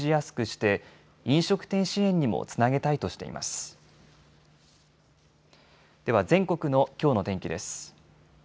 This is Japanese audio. では全国のきょうの天気です。